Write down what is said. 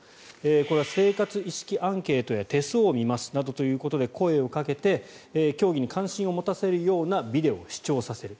これは生活意識アンケートや手相を見ますなどということで声をかけて教義に関心を持たせるようなビデオを視聴させる。